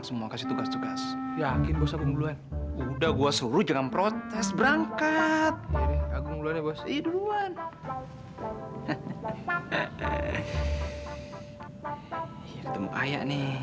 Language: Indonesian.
sampai jumpa future saya